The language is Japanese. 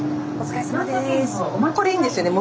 これいいんですよね？